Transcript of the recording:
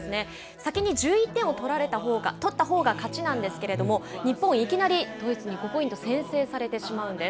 先に１１点を取ったほうが勝ちなんですけれども日本、いきなりドイツに５ポイント先制されるんです。